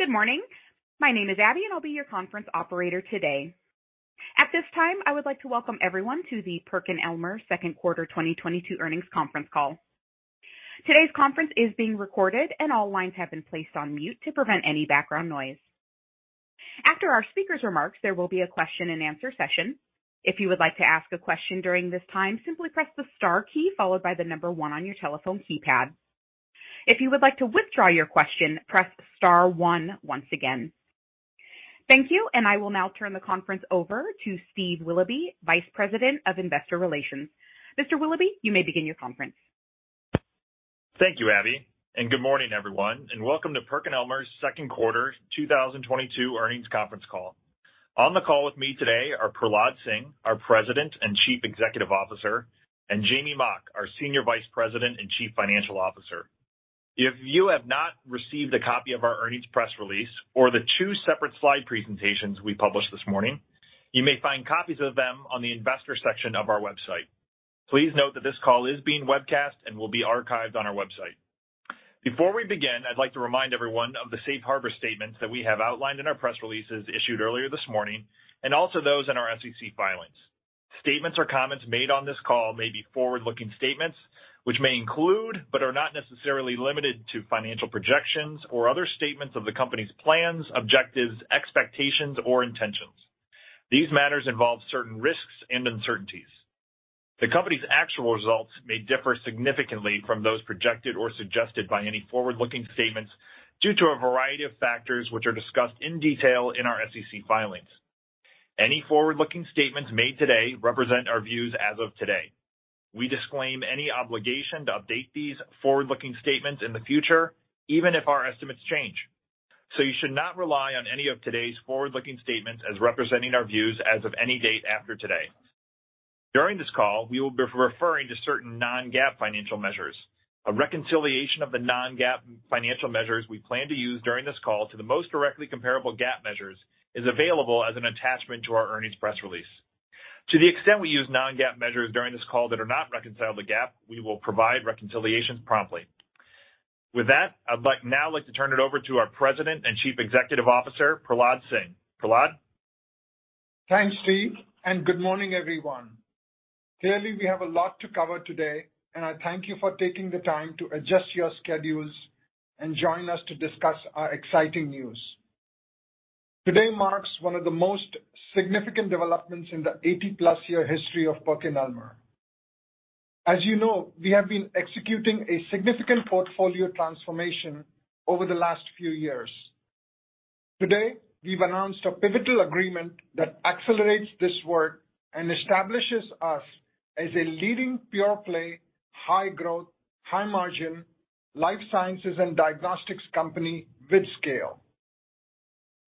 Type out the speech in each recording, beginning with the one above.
Good morning. My name is Abby, and I'll be your conference operator today. At this time, I would like to welcome everyone to the PerkinElmer Second Quarter 2022 earnings conference call. Today's conference is being recorded, and all lines have been placed on mute to prevent any background noise. After our speakers' remarks, there will be a question-and-answer session. If you would like to ask a question during this time, simply press the star key followed by the number one on your telephone keypad. If you would like to withdraw your question, press star one once again. Thank you, and I will now turn the conference over to Steve Willoughby, Vice President of Investor Relations. Mr. Willoughby, you may begin your conference. Thank you, Abby, and good morning, everyone, and welcome to PerkinElmer's second quarter 2022 earnings conference call. On the call with me today are Prahlad Singh, our President and Chief Executive Officer, and Jamey Mock, our Senior Vice President and Chief Financial Officer. If you have not received a copy of our earnings press release or the two separate slide presentations we published this morning, you may find copies of them on the investor section of our website. Please note that this call is being webcast and will be archived on our website. Before we begin, I'd like to remind everyone of the Safe Harbor statements that we have outlined in our press releases issued earlier this morning, and also those in our SEC filings. Statements or comments made on this call may be forward-looking statements which may include, but are not necessarily limited to, financial projections or other statements of the company's plans, objectives, expectations or intentions. These matters involve certain risks and uncertainties. The company's actual results may differ significantly from those projected or suggested by any forward-looking statements due to a variety of factors which are discussed in detail in our SEC filings. Any forward-looking statements made today represent our views as of today. We disclaim any obligation to update these forward-looking statements in the future, even if our estimates change. You should not rely on any of today's forward-looking statements as representing our views as of any date after today. During this call, we will be referring to certain non-GAAP financial measures. A reconciliation of the non-GAAP financial measures we plan to use during this call to the most directly comparable GAAP measures is available as an attachment to our earnings press release. To the extent we use non-GAAP measures during this call that are not reconciled to GAAP, we will provide reconciliations promptly. With that, I'd like now to turn it over to our President and Chief Executive Officer, Prahlad Singh. Prahlad? Thanks, Steve, and good morning, everyone. Clearly, we have a lot to cover today, and I thank you for taking the time to adjust your schedules and join us to discuss our exciting news. Today marks one of the most significant developments in the 80-plus year history of PerkinElmer. As you know, we have been executing a significant portfolio transformation over the last few years. Today, we've announced a pivotal agreement that accelerates this work and establishes us as a leading pure-play, high-growth, high-margin life sciences and diagnostics company with scale.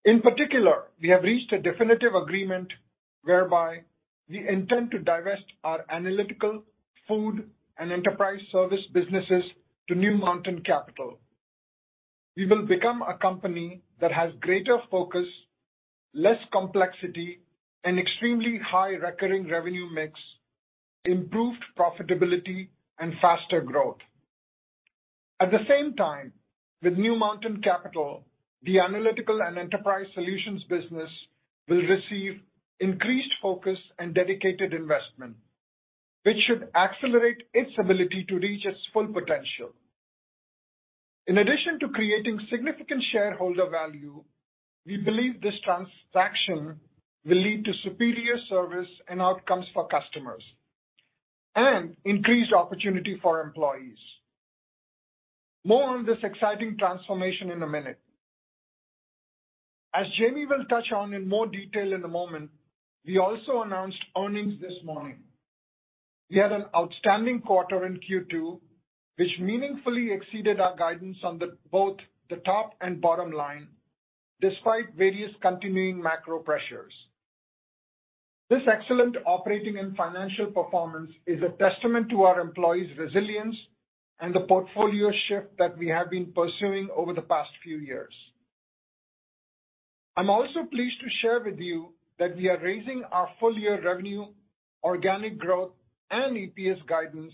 In particular, we have reached a definitive agreement whereby we intend to divest our analytical, food, and enterprise service businesses to New Mountain Capital. We will become a company that has greater focus, less complexity, an extremely high recurring revenue mix, improved profitability, and faster growth. At the same time, with New Mountain Capital, the analytical and enterprise solutions business will receive increased focus and dedicated investment, which should accelerate its ability to reach its full potential. In addition to creating significant shareholder value, we believe this transaction will lead to superior service and outcomes for customers and increased opportunity for employees. More on this exciting transformation in a minute. As Jamey will touch on in more detail in a moment, we also announced earnings this morning. We had an outstanding quarter in Q2, which meaningfully exceeded our guidance on both the top and bottom line despite various continuing macro pressures. This excellent operating and financial performance is a testament to our employees' resilience and the portfolio shift that we have been pursuing over the past few years. I'm also pleased to share with you that we are raising our full-year revenue, organic growth, and EPS guidance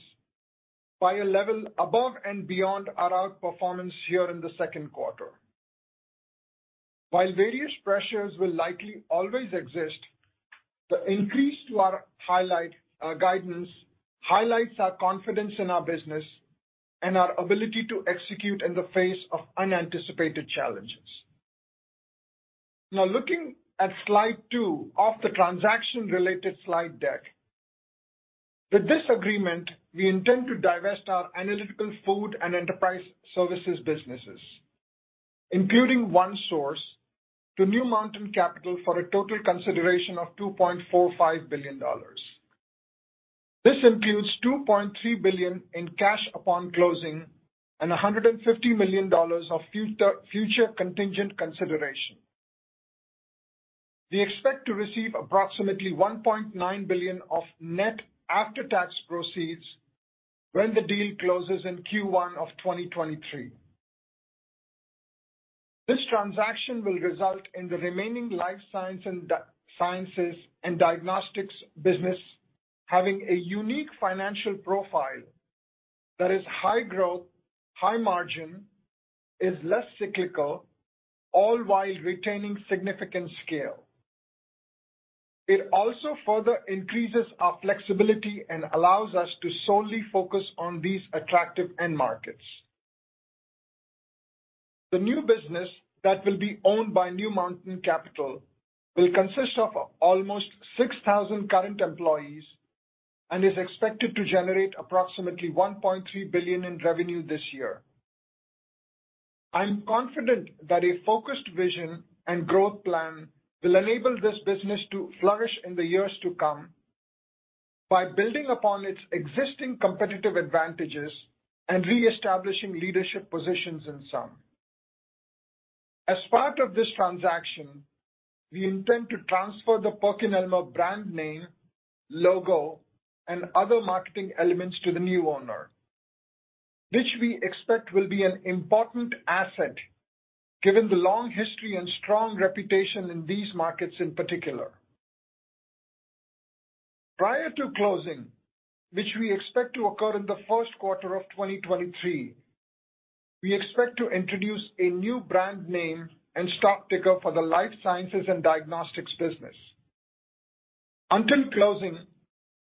by a level above and beyond our outperformance here in the second quarter. While various pressures will likely always exist, the increase to our high-level guidance highlights our confidence in our business and our ability to execute in the face of unanticipated challenges. Now looking at slide two of the transaction-related slide deck. With this agreement, we intend to divest our analytical, food, and enterprise services businesses, including OneSource, to New Mountain Capital for a total consideration of $2.45 billion. This includes $2.3 billion in cash upon closing and $150 million of future contingent consideration. We expect to receive approximately $1.9 billion of net after-tax proceeds when the deal closes in Q1 of 2023. This transaction will result in the remaining Life Sciences and Diagnostics business having a unique financial profile that is high growth, high margin, is less cyclical, all while retaining significant scale. It also further increases our flexibility and allows us to solely focus on these attractive end markets. The new business that will be owned by New Mountain Capital will consist of almost 6,000 current employees and is expected to generate approximately $1.3 billion in revenue this year. I'm confident that a focused vision and growth plan will enable this business to flourish in the years to come by building upon its existing competitive advantages and reestablishing leadership positions in some. As part of this transaction, we intend to transfer the PerkinElmer brand name, logo, and other marketing elements to the new owner, which we expect will be an important asset given the long history and strong reputation in these markets in particular. Prior to closing, which we expect to occur in the first quarter of 2023, we expect to introduce a new brand name and stock ticker for the life sciences and diagnostics business. Until closing,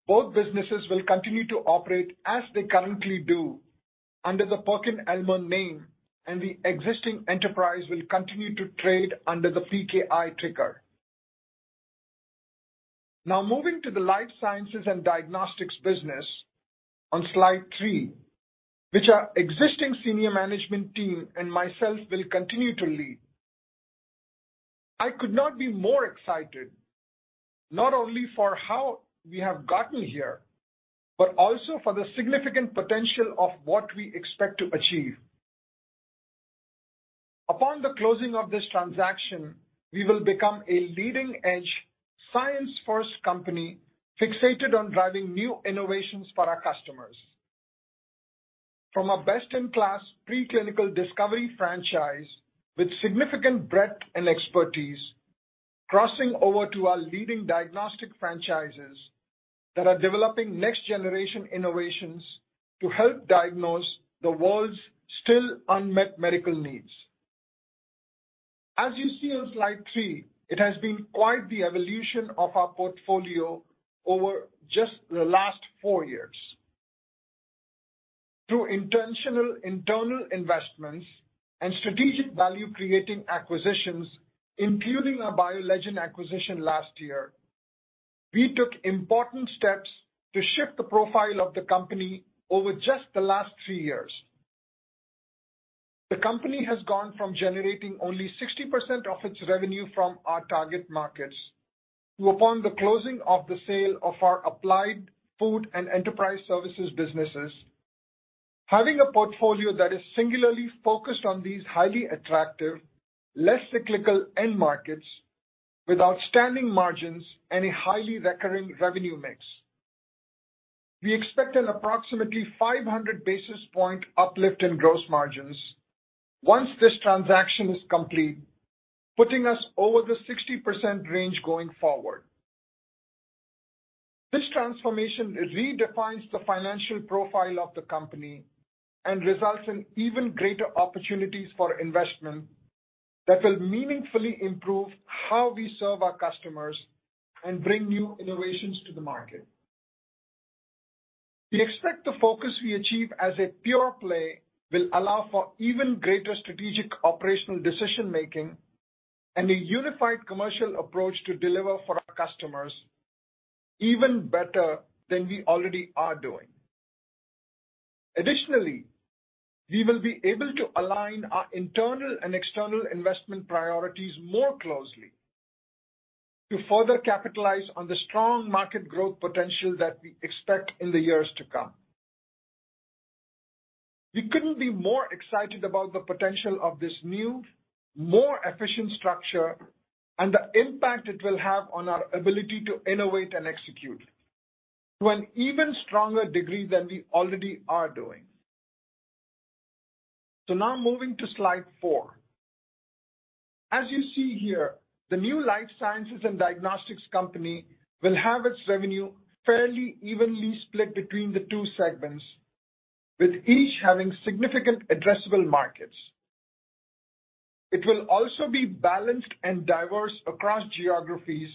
both businesses will continue to operate as they currently do under the PerkinElmer name, and the existing enterprise will continue to trade under the PKI ticker. Now moving to the life sciences and diagnostics business on slide three, which our existing senior management team and myself will continue to lead. I could not be more excited, not only for how we have gotten here, but also for the significant potential of what we expect to achieve. Upon the closing of this transaction, we will become a leading-edge science-first company fixated on driving new innovations for our customers. From a best-in-class pre-clinical discovery franchise with significant breadth and expertise, crossing over to our leading diagnostic franchises that are developing next-generation innovations to help diagnose the world's still unmet medical needs. As you see on slide three, it has been quite the evolution of our portfolio over just the last four years. Through intentional internal investments and strategic value-creating acquisitions, including our BioLegend acquisition last year, we took important steps to shift the profile of the company over just the last three years. The company has gone from generating only 60% of its revenue from our target markets to, upon the closing of the sale of our applied food and enterprise services businesses, having a portfolio that is singularly focused on these highly attractive, less cyclical end markets with outstanding margins and a highly recurring revenue mix. We expect an approximately 500 basis point uplift in gross margins once this transaction is complete, putting us over the 60% range going forward. This transformation redefines the financial profile of the company and results in even greater opportunities for investment that will meaningfully improve how we serve our customers and bring new innovations to the market. We expect the focus we achieve as a pure play will allow for even greater strategic operational decision-making and a unified commercial approach to deliver for our customers even better than we already are doing. Additionally, we will be able to align our internal and external investment priorities more closely to further capitalize on the strong market growth potential that we expect in the years to come. We couldn't be more excited about the potential of this new, more efficient structure and the impact it will have on our ability to innovate and execute to an even stronger degree than we already are doing. Now moving to slide 4. As you see here, the new Life Sciences and Diagnostics company will have its revenue fairly evenly split between the two segments, with each having significant addressable markets. It will also be balanced and diverse across geographies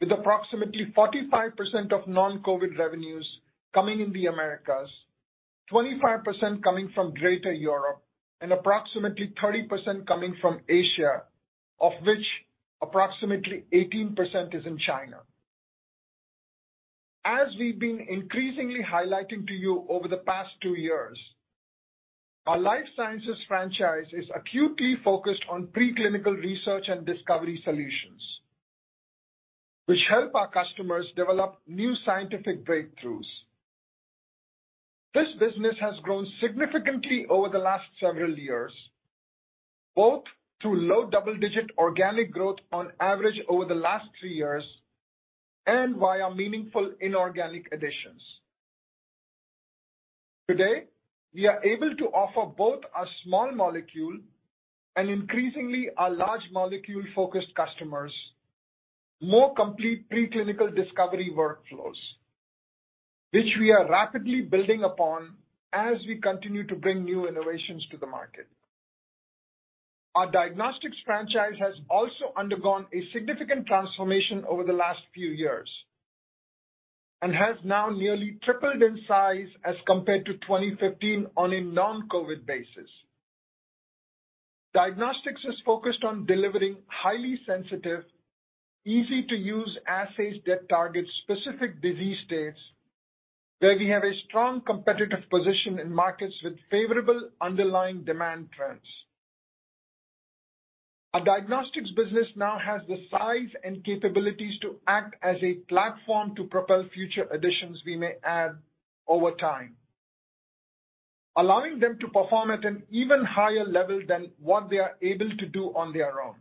with approximately 45% of non-COVID revenues coming in the Americas, 25% coming from Greater Europe, and approximately 30% coming from Asia, of which approximately 18% is in China. As we've been increasingly highlighting to you over the past two years, our Life Sciences franchise is acutely focused on pre-clinical research and discovery solutions which help our customers develop new scientific breakthroughs. This business has grown significantly over the last several years, both through low double-digit organic growth on average over the last three years and via meaningful inorganic additions. Today, we are able to offer both our small molecule and increasingly our large molecule-focused customers more complete preclinical discovery workflows, which we are rapidly building upon as we continue to bring new innovations to the market. Our Diagnostics franchise has also undergone a significant transformation over the last few years and has now nearly tripled in size as compared to 2015 on a non-COVID basis. Diagnostics is focused on delivering highly sensitive, easy-to-use assays that target specific disease states where we have a strong competitive position in markets with favorable underlying demand trends. Our diagnostics business now has the size and capabilities to act as a platform to propel future additions we may add over time, allowing them to perform at an even higher level than what they are able to do on their own.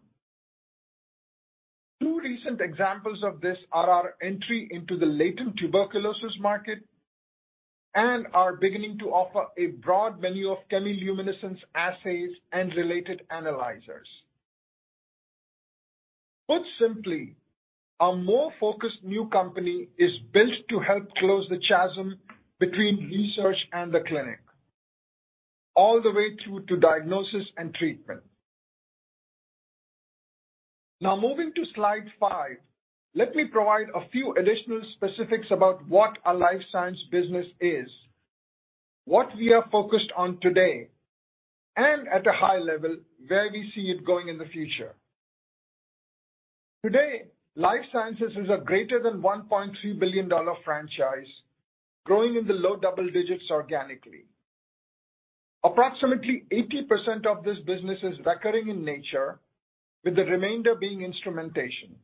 Two recent examples of this are our entry into the latent tuberculosis market and our beginning to offer a broad menu of chemiluminescence assays and related analyzers. Put simply, our more focused new company is built to help close the chasm between research and the clinic, all the way through to diagnosis and treatment. Now moving to slide 5, let me provide a few additional specifics about what our Life Sciences business is, what we are focused on today, and at a high level, where we see it going in the future. Today, Life Sciences is a greater than $1.3 billion franchise growing in the low double digits organically. Approximately 80% of this business is recurring in nature, with the remainder being instrumentation.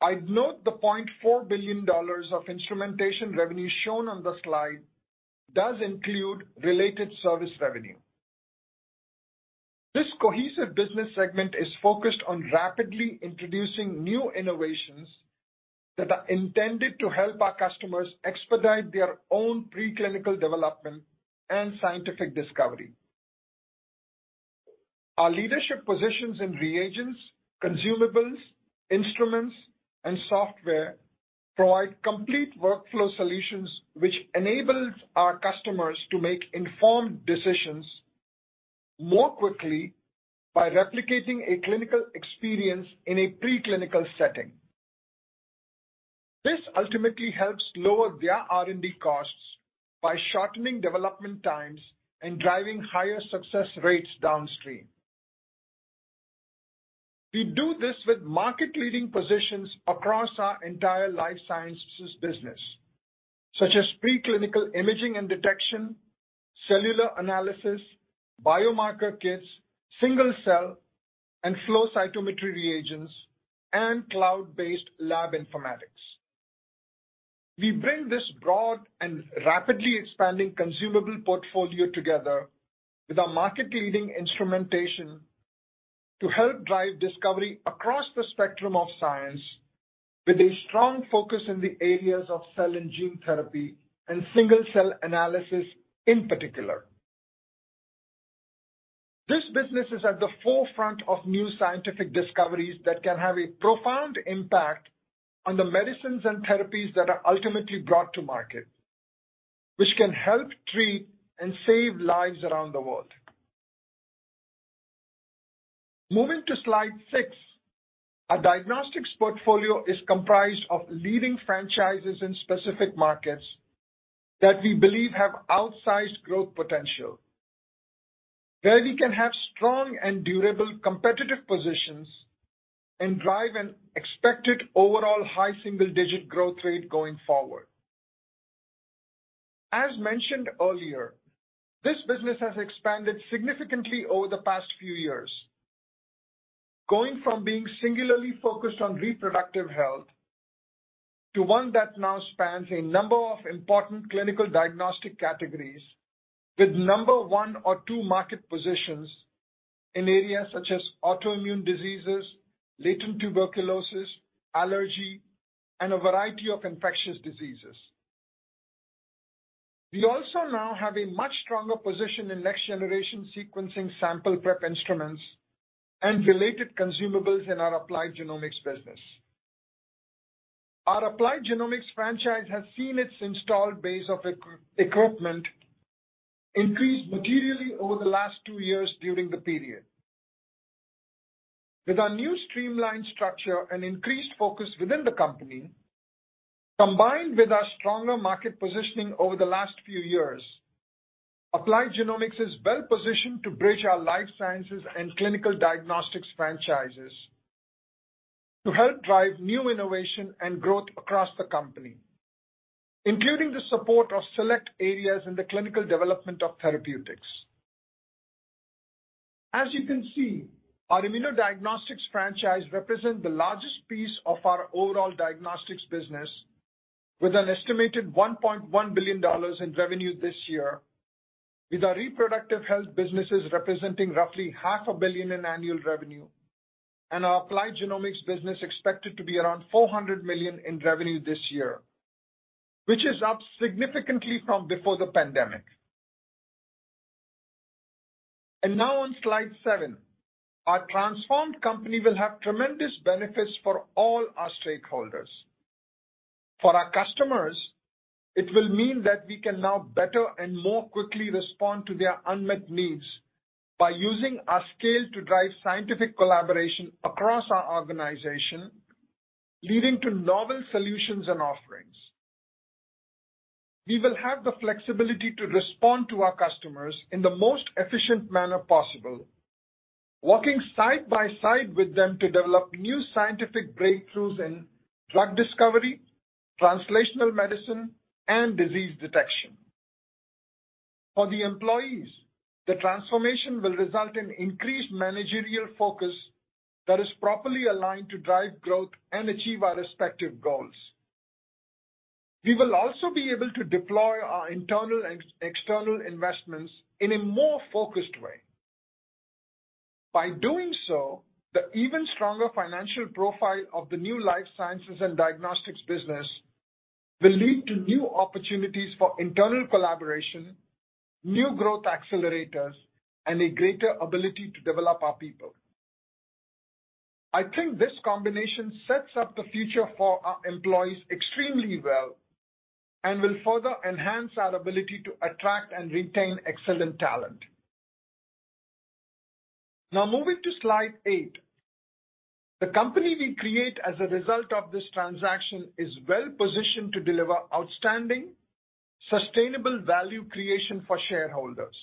I'd note the $0.4 billion of instrumentation revenue shown on the slide does include related service revenue. This cohesive business segment is focused on rapidly introducing new innovations that are intended to help our customers expedite their own preclinical development and scientific discovery. Our leadership positions in reagents, consumables, instruments, and software provide complete workflow solutions which enables our customers to make informed decisions more quickly by replicating a clinical experience in a preclinical setting. This ultimately helps lower their R&D costs by shortening development times and driving higher success rates downstream. We do this with market-leading positions across our entire life sciences business, such as preclinical imaging and detection, cellular analysis, biomarker kits, single cell and flow cytometry reagents, and cloud-based lab informatics. We bring this broad and rapidly expanding consumable portfolio together with our market-leading instrumentation to help drive discovery across the spectrum of science with a strong focus in the areas of cell and gene therapy and single cell analysis in particular. This business is at the forefront of new scientific discoveries that can have a profound impact on the medicines and therapies that are ultimately brought to market, which can help treat and save lives around the world. Moving to slide 6, our diagnostics portfolio is comprised of leading franchises in specific markets that we believe have outsized growth potential, where we can have strong and durable competitive positions and drive an expected overall high single-digit growth rate going forward. As mentioned earlier, this business has expanded significantly over the past few years, going from being singularly focused on reproductive health to one that now spans a number of important clinical diagnostic categories with number one or two market positions in areas such as autoimmune diseases, latent tuberculosis, allergy, and a variety of infectious diseases. We also now have a much stronger position in next-generation sequencing sample prep instruments and related consumables in our applied genomics business. Our applied genomics franchise has seen its installed base of equipment increase materially over the last two years during the period. With our new streamlined structure and increased focus within the company, combined with our stronger market positioning over the last few years, applied genomics is well-positioned to bridge our life sciences and clinical diagnostics franchises to help drive new innovation and growth across the company, including the support of select areas in the clinical development of therapeutics. As you can see, our Immunodiagnostics franchise represents the largest piece of our overall diagnostics business with an estimated $1.1 billion in revenue this year. With our reproductive health businesses representing roughly half a billion dollars in annual revenue and our applied genomics business expected to be around $400 million in revenue this year, which is up significantly from before the pandemic. Now on slide 7, our transformed company will have tremendous benefits for all our stakeholders. For our customers, it will mean that we can now better and more quickly respond to their unmet needs by using our scale to drive scientific collaboration across our organization, leading to novel solutions and offerings. We will have the flexibility to respond to our customers in the most efficient manner possible, working side by side with them to develop new scientific breakthroughs in drug discovery, translational medicine, and disease detection. For the employees, the transformation will result in increased managerial focus that is properly aligned to drive growth and achieve our respective goals. We will also be able to deploy our internal and external investments in a more focused way. By doing so, the even stronger financial profile of the new Life Sciences and Diagnostics business will lead to new opportunities for internal collaboration, new growth accelerators, and a greater ability to develop our people. I think this combination sets up the future for our employees extremely well and will further enhance our ability to attract and retain excellent talent. Now moving to slide 8. The company we create as a result of this transaction is well-positioned to deliver outstanding, sustainable value creation for shareholders.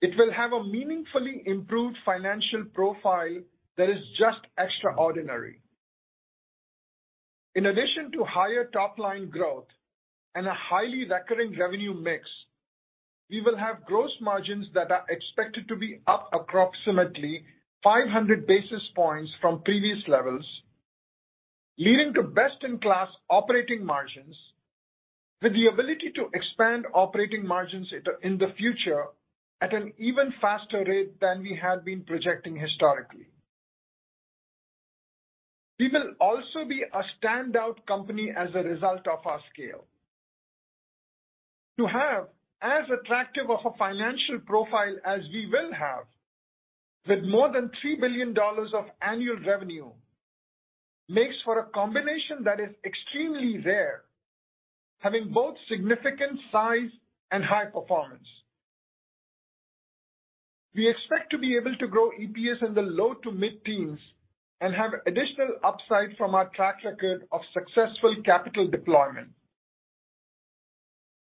It will have a meaningfully improved financial profile that is just extraordinary. In addition to higher top-line growth and a highly recurring revenue mix, we will have gross margins that are expected to be up approximately 500 basis points from previous levels, leading to best-in-class operating margins with the ability to expand operating margins in the future at an even faster rate than we had been projecting historically. We will also be a standout company as a result of our scale. To have as attractive of a financial profile as we will have with more than $3 billion of annual revenue makes for a combination that is extremely rare, having both significant size and high performance. We expect to be able to grow EPS in the low-to-mid-teens and have additional upside from our track record of successful capital deployment.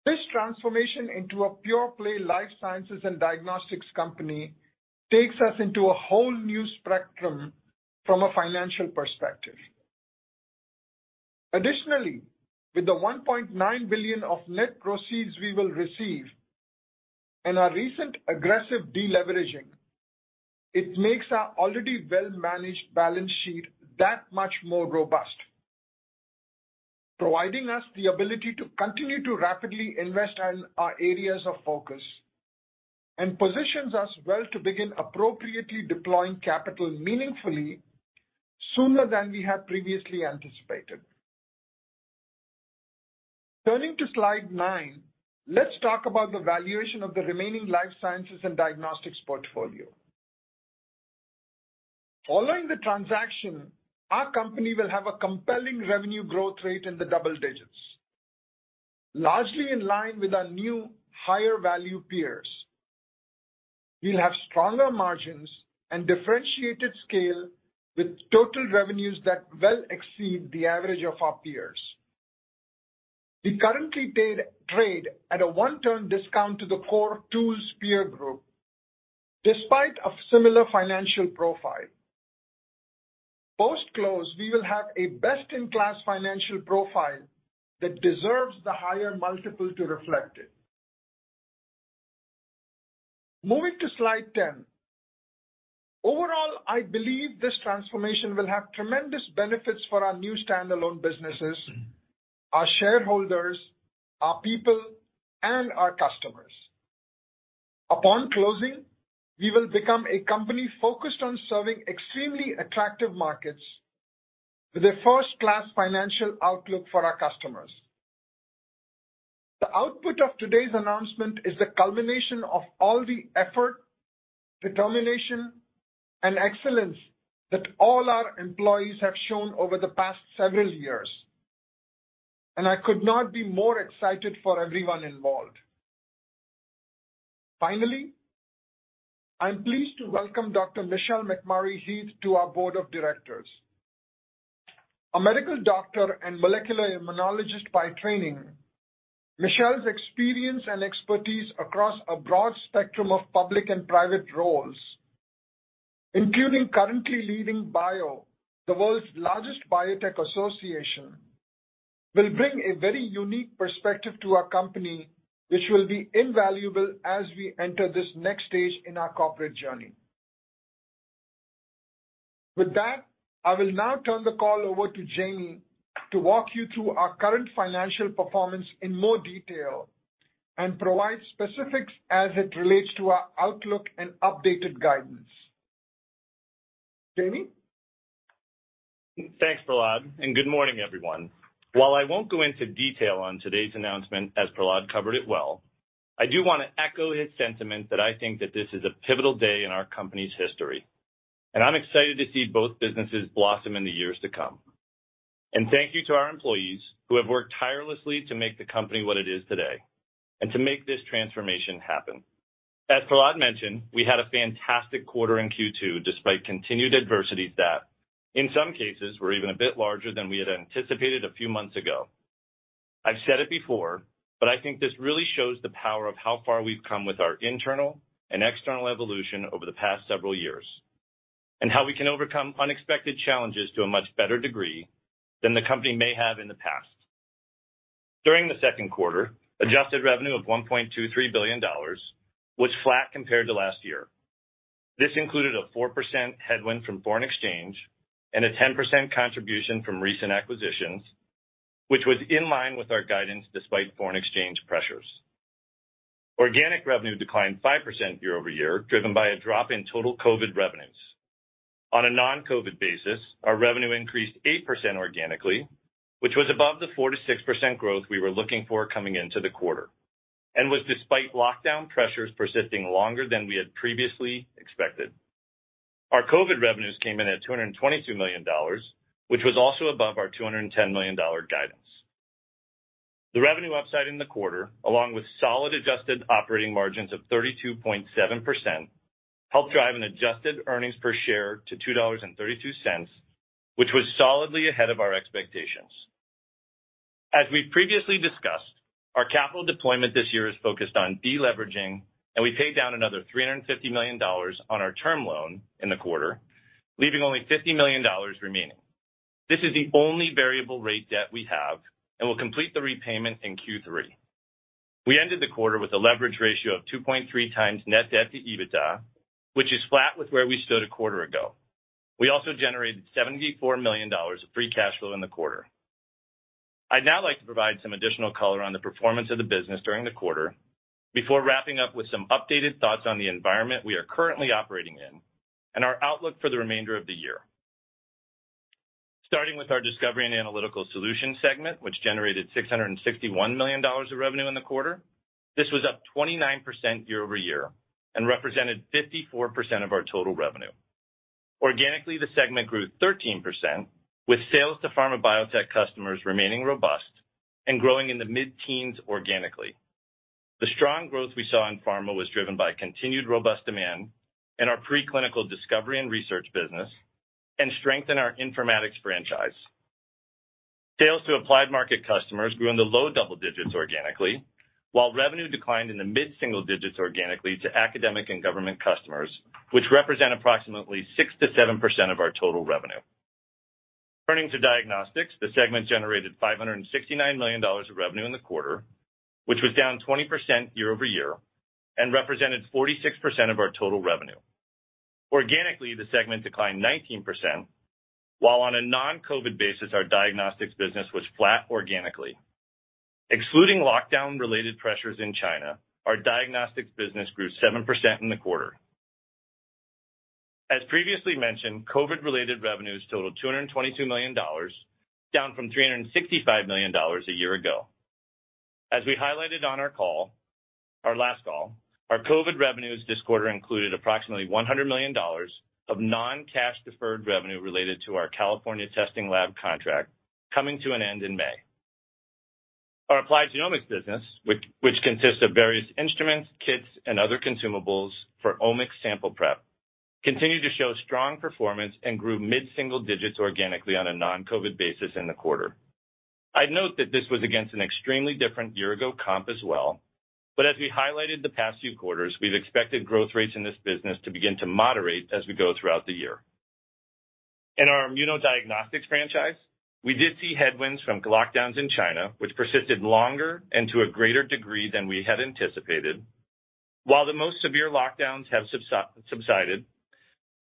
This transformation into a pure-play Life Sciences and Diagnostics company takes us into a whole new spectrum from a financial perspective. Additionally, with the $1.9 billion of net proceeds we will receive and our recent aggressive deleveraging, it makes our already well-managed balance sheet that much more robust, providing us the ability to continue to rapidly invest in our areas of focus and positions us well to begin appropriately deploying capital meaningfully sooner than we had previously anticipated. Turning to slide 9, let's talk about the valuation of the remaining Life Sciences and Diagnostics portfolio. Following the transaction, our company will have a compelling revenue growth rate in the double digits, largely in line with our new higher value peers. We'll have stronger margins and differentiated scale with total revenues that well exceed the average of our peers. We currently trade at a one-turn discount to the core tools peer group despite a similar financial profile. Post-close, we will have a best-in-class financial profile that deserves the higher multiple to reflect it. Moving to slide 10. Overall, I believe this transformation will have tremendous benefits for our new standalone businesses, our shareholders, our people, and our customers. Upon closing, we will become a company focused on serving extremely attractive markets with a first-class financial outlook for our customers. The output of today's announcement is the culmination of all the effort, determination, and excellence that all our employees have shown over the past several years, and I could not be more excited for everyone involved. Finally, I'm pleased to welcome Dr. Michelle McMurry-Heath to our board of directors. A medical doctor and molecular immunologist by training, Michelle's experience and expertise across a broad spectrum of public and private roles, including currently leading BIO, the world's largest biotech association, will bring a very unique perspective to our company, which will be invaluable as we enter this next stage in our corporate journey. With that, I will now turn the call over to Jamey to walk you through our current financial performance in more detail and provide specifics as it relates to our outlook and updated guidance. Jamey? Thanks, Prahlad, and good morning, everyone. While I won't go into detail on today's announcement, as Prahlad covered it well, I do wanna echo his sentiment that I think that this is a pivotal day in our company's history, and I'm excited to see both businesses blossom in the years to come. Thank you to our employees who have worked tirelessly to make the company what it is today and to make this transformation happen. As Prahlad mentioned, we had a fantastic quarter in Q2 despite continued adversities that, in some cases, were even a bit larger than we had anticipated a few months ago. I've said it before, but I think this really shows the power of how far we've come with our internal and external evolution over the past several years, and how we can overcome unexpected challenges to a much better degree than the company may have in the past. During the second quarter, adjusted revenue of $1.23 billion was flat compared to last year. This included a 4% headwind from foreign exchange and a 10% contribution from recent acquisitions, which was in line with our guidance despite foreign exchange pressures. Organic revenue declined 5% year-over-year, driven by a drop in total COVID revenues. On a non-COVID basis, our revenue increased 8% organically, which was above the 4%-6% growth we were looking for coming into the quarter and was despite lockdown pressures persisting longer than we had previously expected. Our COVID revenues came in at $222 million, which was also above our $210 million guidance. The revenue upside in the quarter, along with solid adjusted operating margins of 32.7%, helped drive an adjusted earnings per share to $2.32, which was solidly ahead of our expectations. As we've previously discussed, our capital deployment this year is focused on de-leveraging, and we paid down another $350 million on our term loan in the quarter, leaving only $50 million remaining. This is the only variable rate debt we have and will complete the repayment in Q3. We ended the quarter with a leverage ratio of 2.3x net debt to EBITDA, which is flat with where we stood a quarter ago. We also generated $74 million of free cash flow in the quarter. I'd now like to provide some additional color on the performance of the business during the quarter before wrapping up with some updated thoughts on the environment we are currently operating in and our outlook for the remainder of the year. Starting with our discovery and analytical solutions segment, which generated $661 million of revenue in the quarter. This was up 29% year-over-year and represented 54% of our total revenue. Organically, the segment grew 13%, with sales to pharma biotech customers remaining robust and growing in the mid-teens organically. The strong growth we saw in pharma was driven by continued robust demand in our preclinical discovery and research business and strength in our informatics franchise. Sales to applied market customers grew in the low double digits organically, while revenue declined in the mid-single digits organically to academic and government customers, which represent approximately 6%-7% of our total revenue. Turning to diagnostics, the segment generated $569 million of revenue in the quarter, which was down 20% year over year and represented 46% of our total revenue. Organically, the segment declined 19%, while on a non-COVID basis, our diagnostics business was flat organically. Excluding lockdown-related pressures in China, our diagnostics business grew 7% in the quarter. As previously mentioned, COVID-related revenues totaled $222 million, down from $365 million a year ago. As we highlighted on our call. Our last call, our COVID revenues this quarter included approximately $100 million of non-cash deferred revenue related to our California testing lab contract coming to an end in May. Our applied genomics business, which consists of various instruments, kits, and other consumables for omics sample prep, continued to show strong performance and grew mid-single digits% organically on a non-COVID basis in the quarter. I'd note that this was against an extremely different year-ago comp as well, but as we highlighted the past few quarters, we've expected growth rates in this business to begin to moderate as we go throughout the year. In our Immunodiagnostics franchise, we did see headwinds from lockdowns in China, which persisted longer and to a greater degree than we had anticipated. While the most severe lockdowns have subsided,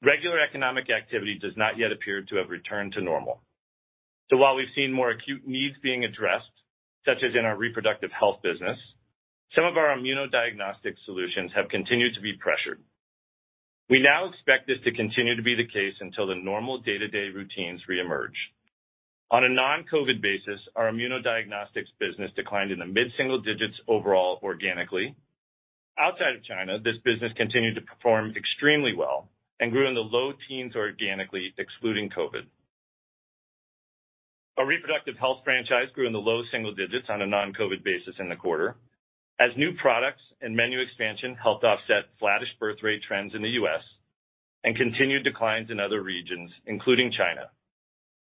regular economic activity does not yet appear to have returned to normal. While we've seen more acute needs being addressed, such as in our reproductive health business, some of our Immunodiagnostics solutions have continued to be pressured. We now expect this to continue to be the case until the normal day-to-day routines re-emerge. On a non-COVID basis, our Immunodiagnostics business declined in the mid-single digits overall organically. Outside of China, this business continued to perform extremely well and grew in the low teens organically, excluding COVID. Our reproductive health franchise grew in the low single digits on a non-COVID basis in the quarter, as new products and menu expansion helped offset flattish birth rate trends in the U.S. and continued declines in other regions, including China.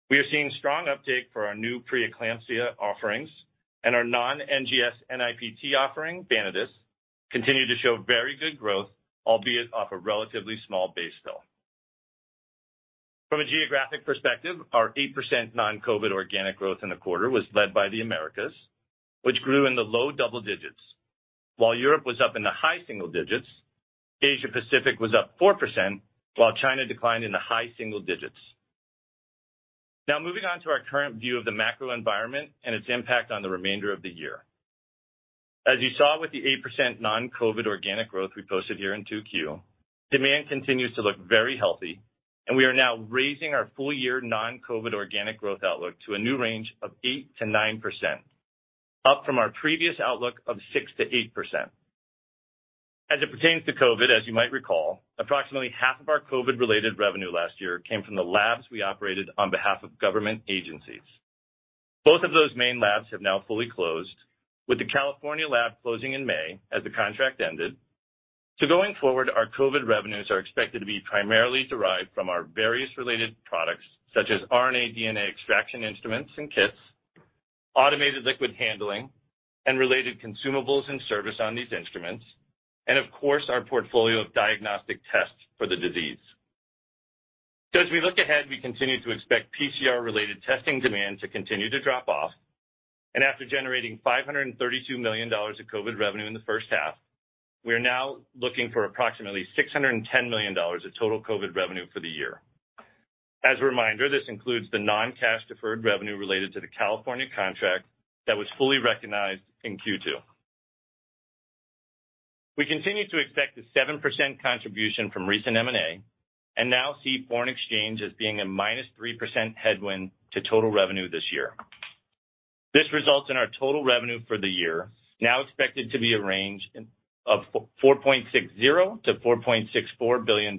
We are seeing strong uptake for our new preeclampsia offerings, and our non-NGS NIPT offering, Vanadis, continued to show very good growth, albeit off a relatively small base still. From a geographic perspective, our 8% non-COVID organic growth in the quarter was led by the Americas, which grew in the low double digits. While Europe was up in the high single digits, Asia Pacific was up 4%, while China declined in the high single digits. Now moving on to our current view of the macro environment and its impact on the remainder of the year. As you saw with the 8% non-COVID organic growth we posted here in 2Q, demand continues to look very healthy, and we are now raising our full year non-COVID organic growth outlook to a new range of 8%-9%, up from our previous outlook of 6%-8%. As it pertains to COVID, as you might recall, approximately half of our COVID-related revenue last year came from the labs we operated on behalf of government agencies. Both of those main labs have now fully closed, with the California lab closing in May as the contract ended. Going forward, our COVID revenues are expected to be primarily derived from our various related products, such as RNA/DNA extraction instruments and kits, automated liquid handling, and related consumables and service on these instruments, and of course, our portfolio of diagnostic tests for the disease. As we look ahead, we continue to expect PCR-related testing demand to continue to drop off. After generating $532 million of COVID revenue in the first half, we are now looking for approximately $610 million of total COVID revenue for the year. As a reminder, this includes the non-cash deferred revenue related to the California contract that was fully recognized in Q2. We continue to expect the 7% contribution from recent M&A and now see foreign exchange as being a -3% headwind to total revenue this year. This results in our total revenue for the year now expected to be a range of $4.60 billion-$4.64 billion.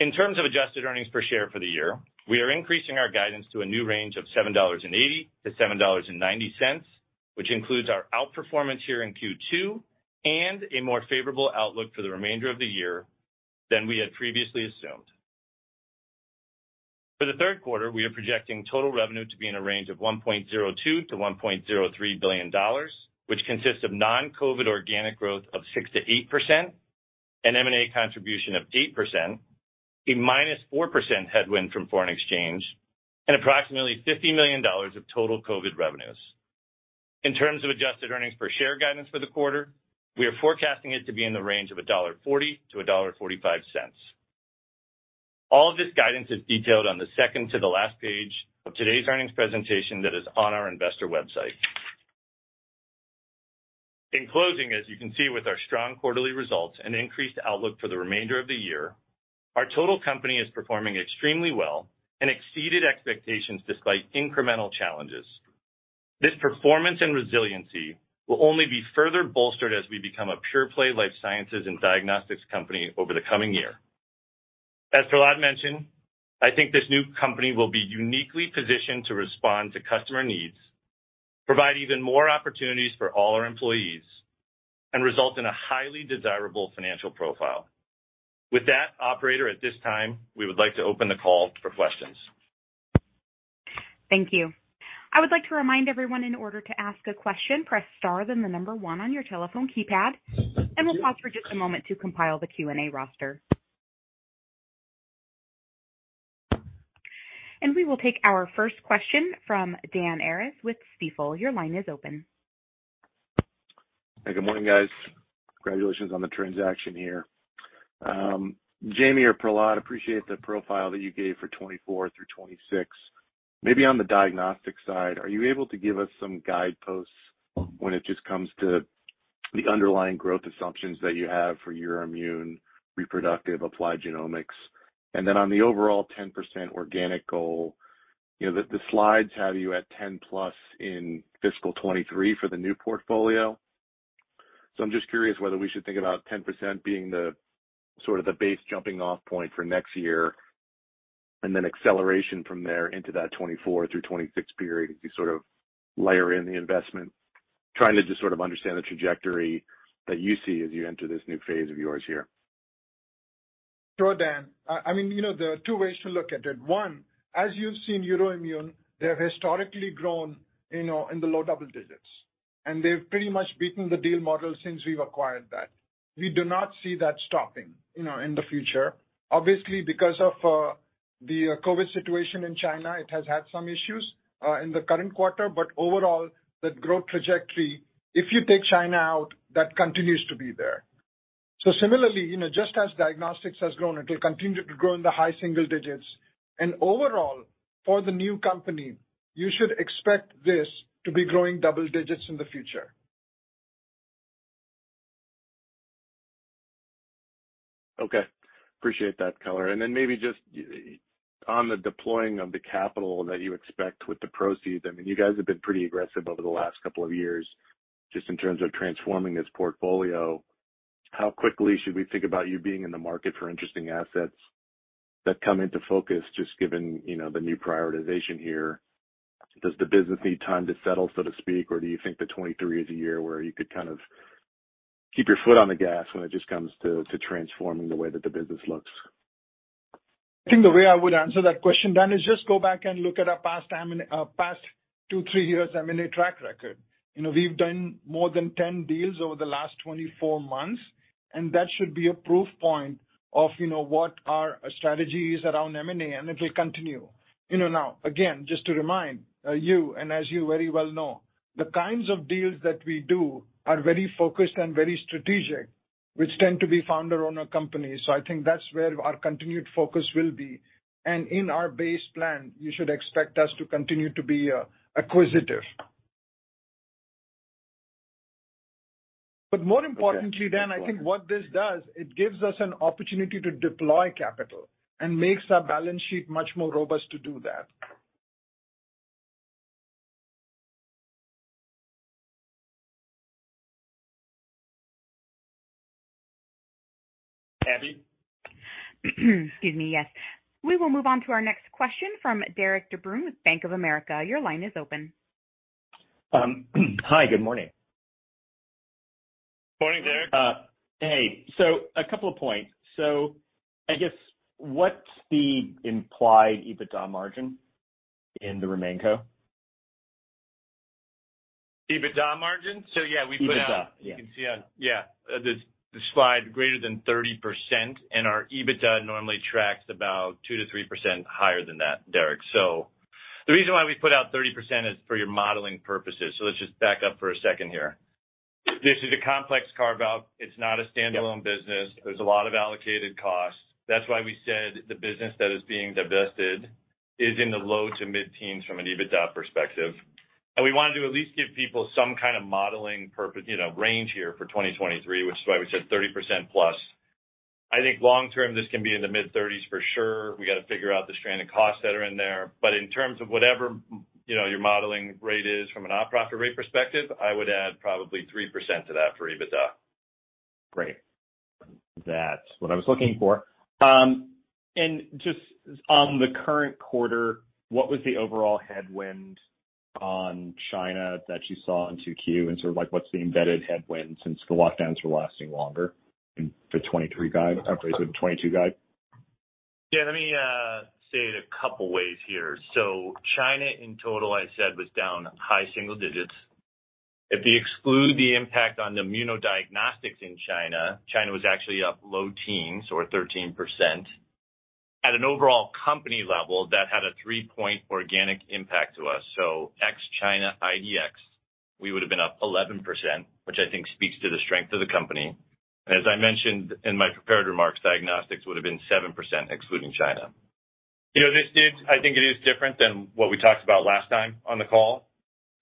In terms of adjusted earnings per share for the year, we are increasing our guidance to a new range of $7.80-$7.90, which includes our outperformance here in Q2 and a more favorable outlook for the remainder of the year than we had previously assumed. For the third quarter, we are projecting total revenue to be in a range of $1.02 billion-$1.03 billion, which consists of non-COVID organic growth of 6%-8%, an M&A contribution of 8%, a -4% headwind from foreign exchange, and approximately $50 million of total COVID revenues. In terms of adjusted earnings per share guidance for the quarter, we are forecasting it to be in the range of $1.40-$1.45. All of this guidance is detailed on the second-to-last page of today's earnings presentation that is on our investor website. In closing, as you can see with our strong quarterly results and increased outlook for the remainder of the year, our total company is performing extremely well and exceeded expectations despite incremental challenges. This performance and resiliency will only be further bolstered as we become a pure-play Life Sciences and Diagnostics company over the coming year. As Prahlad mentioned, I think this new company will be uniquely positioned to respond to customer needs, provide even more opportunities for all our employees, and result in a highly desirable financial profile. With that, operator, at this time, we would like to open the call for questions. Thank you. I would like to remind everyone in order to ask a question, press star, then the number one on your telephone keypad, and we'll pause for just a moment to compile the Q&A roster. We will take our first question from Dan Arias with Stifel. Your line is open. Hey, good morning, guys. Congratulations on the transaction here. Jamey or Prahlad, appreciate the profile that you gave for 2024 through 2026. Maybe on the diagnostic side, are you able to give us some guideposts when it just comes to the underlying growth assumptions that you have for Euroimmun reproductive applied genomics? And then on the overall 10% organic goal, you know, the slides have you at 10+ in fiscal 2023 for the new portfolio. I'm just curious whether we should think about 10% being the sort of the base jumping off point for next year, and then acceleration from there into that 2024-2026 period as you sort of layer in the investment. Trying to just sort of understand the trajectory that you see as you enter this new phase of yours here. Sure, Dan. I mean, you know, there are two ways to look at it. One, as you've seen Euroimmun, they have historically grown, you know, in the low double digits, and they've pretty much beaten the deal model since we've acquired that. We do not see that stopping, you know, in the future. Obviously, because of the COVID situation in China, it has had some issues in the current quarter. But overall, the growth trajectory, if you take China out, that continues to be there. Similarly, you know, just as diagnostics has grown, it will continue to grow in the high single digits. Overall, for the new company, you should expect this to be growing double digits in the future. Okay. Appreciate that color. Maybe just on the deploying of the capital that you expect with the proceeds. I mean, you guys have been pretty aggressive over the last couple of years just in terms of transforming this portfolio. How quickly should we think about you being in the market for interesting assets that come into focus just given, you know, the new prioritization here? Does the business need time to settle, so to speak? Or do you think that 2023 is a year where you could kind of keep your foot on the gas when it just comes to transforming the way that the business looks? I think the way I would answer that question, Dan, is just go back and look at our past two, three years M&A track record. You know, we've done more than 10 deals over the last 24 months. That should be a proof point of, you know, what our strategy is around M&A, and it will continue. You know, now, again, just to remind, you and as you very well know, the kinds of deals that we do are very focused and very strategic, which tend to be founder-owner companies. I think that's where our continued focus will be. In our base plan, you should expect us to continue to be acquisitive. More importantly, Dan, I think what this does, it gives us an opportunity to deploy capital and makes our balance sheet much more robust to do that. Abby? Excuse me, yes. We will move on to our next question from Derik De Bruin with Bank of America. Your line is open. Hi, good morning. Morning, Derik. Hey. A couple of points. I guess what's the implied EBITDA margin in the RemainCo? EBITDA margin? Yeah, we put out. EBITDA, yeah. You can see on the slide greater than 30%, and our EBITDA normally tracks about 2%-3% higher than that, Derik. The reason why we put out 30% is for your modeling purposes. Let's just back up for a second here. This is a complex carve-out. It's not a standalone business. There's a lot of allocated costs. That's why we said the business that is being divested is in the low to mid-teens from an EBITDA perspective. We wanted to at least give people some kind of modeling you know, range here for 2023, which is why we said 30%+. I think long term, this can be in the mid-30s for sure. We gotta figure out the stranded costs that are in there. In terms of whatever, you know, your modeling rate is from a nonprofit rate perspective, I would add probably 3% to that for EBITDA. Great. That's what I was looking for. Just on the current quarter, what was the overall headwind on China that you saw in 2Q? Sort of like, what's the embedded headwind since the lockdowns were lasting longer in the 2022 guide? Yeah. Let me say it a couple ways here. China in total, I said, was down high single digits. If you exclude the impact on the Immunodiagnostics in China was actually up low teens or 13%. At an overall company level, that had a 3-point organic impact to us. Ex-China Immunodiagnostics, we would've been up 11%, which I think speaks to the strength of the company. As I mentioned in my prepared remarks, diagnostics would've been 7% excluding China. You know, this is. I think it is different than what we talked about last time on the call.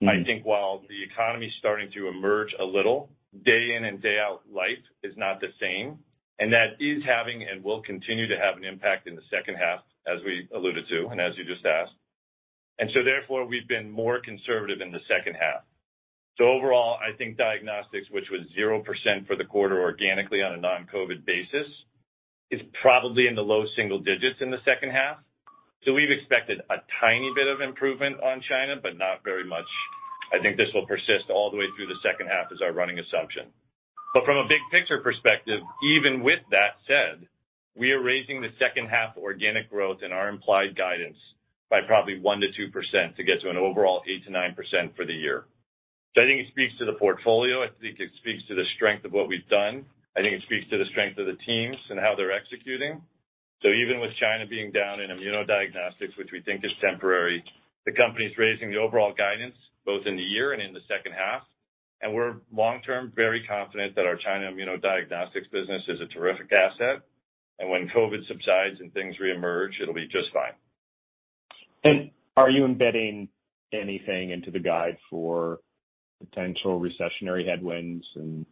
Mm-hmm. I think while the economy's starting to emerge a little, day in and day out, life is not the same, and that is having and will continue to have an impact in the second half, as we alluded to and as you just asked. Therefore, we've been more conservative in the second half. Overall, I think diagnostics, which was 0% for the quarter organically on a non-COVID basis, is probably in the low single digits% in the second half. We've expected a tiny bit of improvement on China, but not very much. I think this will persist all the way through the second half as our running assumption. From a big picture perspective, even with that said, we are raising the second half organic growth in our implied guidance by probably 1%-2% to get to an overall 8%-9% for the year. I think it speaks to the portfolio. I think it speaks to the strength of what we've done. I think it speaks to the strength of the teams and how they're executing. Even with China being down in Immunodiagnostics, which we think is temporary, the company's raising the overall guidance both in the year and in the second half. We're long-term very confident that our China Immunodiagnostics business is a terrific asset. When COVID subsides and things reemerge, it'll be just fine. Are you embedding anything into the guide for potential recessionary headwinds and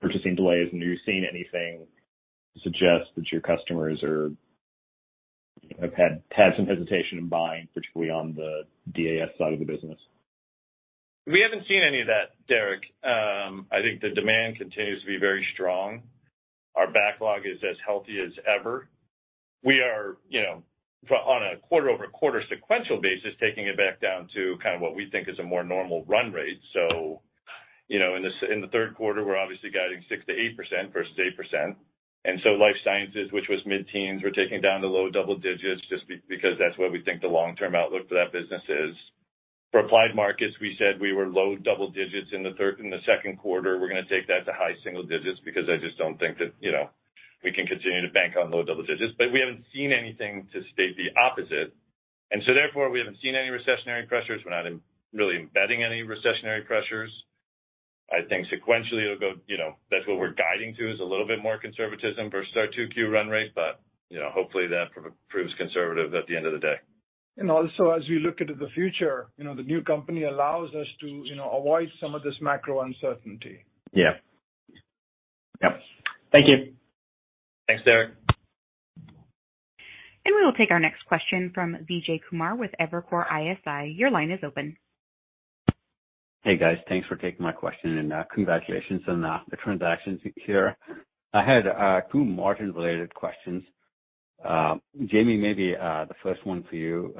purchasing delays? Are you seeing anything suggest that your customers have had some hesitation in buying, particularly on the DAS side of the business? We haven't seen any of that, Derik. I think the demand continues to be very strong. Our backlog is as healthy as ever. We are, you know, on a quarter-over-quarter sequential basis, taking it back down to kind of what we think is a more normal run rate. So, you know, in the third quarter, we're obviously guiding 6%-8% versus 8%. Life Sciences, which was mid-teens, we're taking down to low double digits just because that's where we think the long-term outlook for that business is. For applied markets, we said we were low double digits in the second quarter. We're gonna take that to high single digits because I just don't think that, you know, we can continue to bank on low double digits. But we haven't seen anything to state the opposite. Therefore, we haven't seen any recessionary pressures. We're not really embedding any recessionary pressures. I think sequentially it'll go, you know, that's what we're guiding to, is a little bit more conservatism versus our 2Q run rate. You know, hopefully that proves conservative at the end of the day. As we look into the future, you know, the new company allows us to, you know, avoid some of this macro uncertainty. Yeah. Yep. Thank you. Thanks, Derik. We will take our next question from Vijay Kumar with Evercore ISI. Your line is open. Hey, guys. Thanks for taking my question, and, congratulations on, the transactions here. I had, two margin-related questions. Jamey, maybe, the first one for you.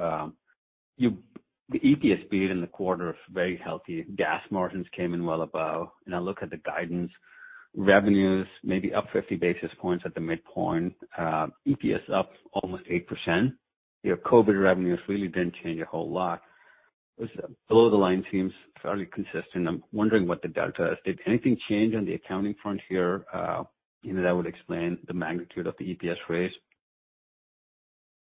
The EPS beat in the quarter is very healthy. Gross margins came in well above. I look at the guidance revenues maybe up 50 basis points at the midpoint, EPS up almost 8%. Your COVID revenues really didn't change a whole lot. Below the line seems fairly consistent. I'm wondering what the delta is. Did anything change on the accounting front here, you know, that would explain the magnitude of the EPS raise?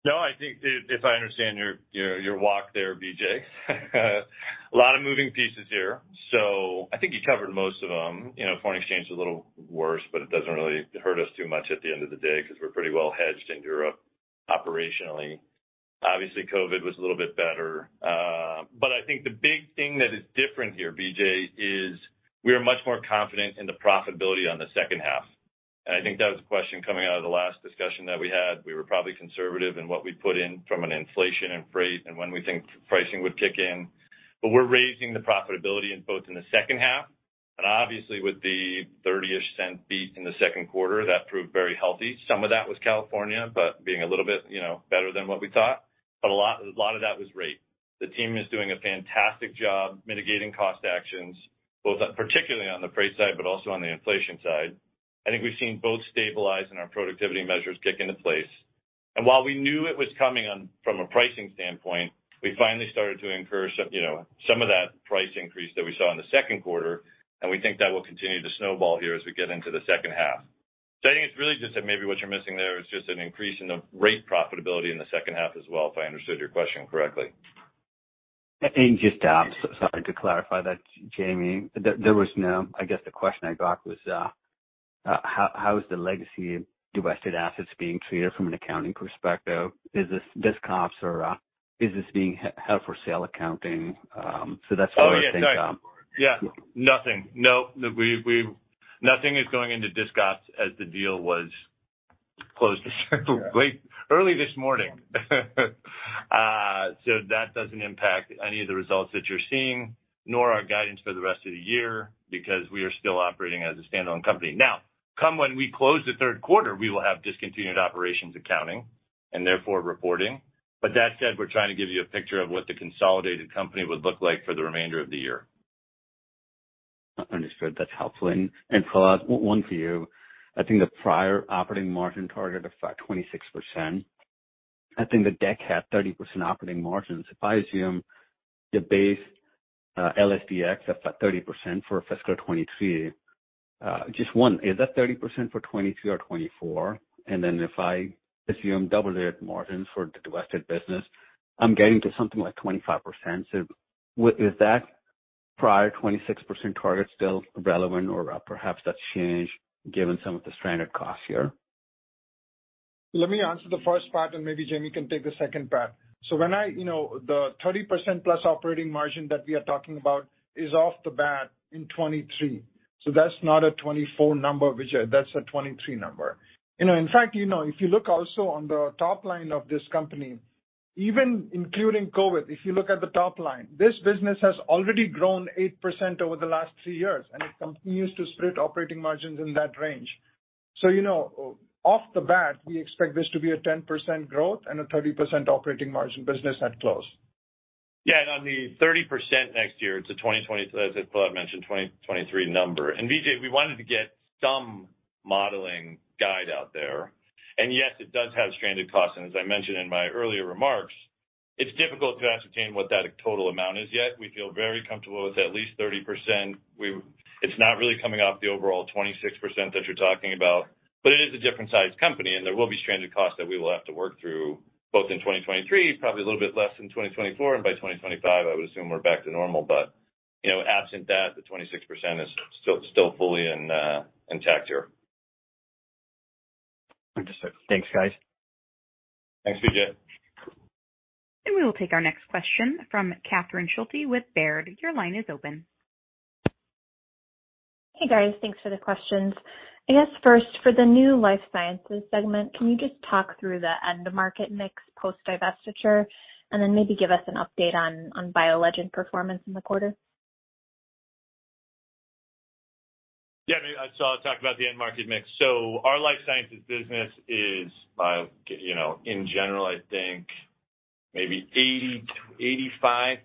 No, I think if I understand your walk there, Vijay, a lot of moving pieces here. I think you covered most of them. You know, foreign exchange is a little worse, but it doesn't really hurt us too much at the end of the day because we're pretty well hedged in Europe operationally. Obviously, COVID was a little bit better. I think the big thing that is different here, Vijay, is we are much more confident in the profitability on the second half. I think that was a question coming out of the last discussion that we had. We were probably conservative in what we put in from an inflation and freight and when we think pricing would kick in. We're raising the profitability in both in the second half and obviously with the $0.30 beat in the second quarter, that proved very healthy. Some of that was California, but being a little bit, you know, better than what we thought. A lot of that was rate. The team is doing a fantastic job mitigating cost actions, both particularly on the freight side, but also on the inflation side. I think we've seen both stabilize and our productivity measures kick into place. While we knew it was coming on from a pricing standpoint, we finally started to incur some, you know, some of that price increase that we saw in the second quarter, and we think that will continue to snowball here as we get into the second half. I think it's really just that maybe what you're missing there is just an increase in the rate profitability in the second half as well, if I understood your question correctly. Just, sorry to clarify that, Jamey. I guess the question I got was, how is the legacy divested assets being treated from an accounting perspective? Is this discontinued or, is this being held for sale accounting? That's where I think. Oh, yeah. Nice. Yeah. Nothing is going into the discussion as the deal was closed early this morning. So that doesn't impact any of the results that you're seeing nor our guidance for the rest of the year because we are still operating as a standalone company. Now, when we close the third quarter, we will have discontinued operations accounting and therefore reporting. That said, we're trying to give you a picture of what the consolidated company would look like for the remainder of the year. Understood. That's helpful. Prahlad, one for you. I think the prior operating margin target of 26%. I think the deck had 30% operating margins. If I assume the base L&S DX of 30% for fiscal 2023, just one, is that 30% for 2022 or 2024? Then if I assume double-digit margin for the divested business, I'm getting to something like 25%. With that prior 26% target still relevant or perhaps that's changed given some of the stranded costs here? Let me answer the first part, and maybe Jamey can take the second part. When I you know, the 30%+ operating margin that we are talking about is off the bat in 2023. That's not a 2024 number, Vijay. That's a 2023 number. You know, in fact, you know, if you look also on the top line of this company, even including COVID, if you look at the top line, this business has already grown 8% over the last three years, and it continues to print operating margins in that range. You know, off the bat, we expect this to be a 10% growth and a 30% operating margin business at close. Yeah. On the 30% next year, it's a 2023 number as Prahlad mentioned. Vijay, we wanted to get some modeling guidance out there. Yes, it does have stranded costs. As I mentioned in my earlier remarks, it's difficult to ascertain what that total amount is yet. We feel very comfortable with at least 30%. It's not really coming off the overall 26% that you're talking about, but it is a different sized company, and there will be stranded costs that we will have to work through both in 2023, probably a little bit less in 2024, and by 2025, I would assume we're back to normal. You know, absent that, the 26% is still fully intact here. Understood. Thanks, guys. Thanks, Vijay. We will take our next question from Catherine Ramsey Schulte with Baird. Your line is open. Hey, guys. Thanks for the questions. I guess first, for the new life sciences segment, can you just talk through the end market mix post divestiture, and then maybe give us an update on BioLegend performance in the quarter? Yeah, I mean, I'll talk about the end market mix. Our Life Sciences business is you know, in general, I think maybe 80%-85%